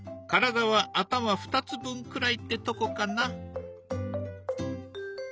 体は頭２つ分くらいってとこかな。